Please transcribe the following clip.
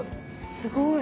すごい。